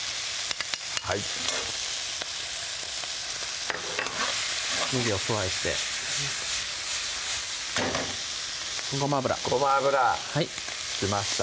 はいねぎを加えてごま油ごま油きました